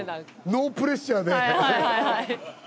ノープレッシャーで。